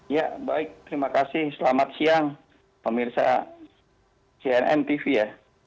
ya baik terima kasih selamat siang pemirsa cnn tv ya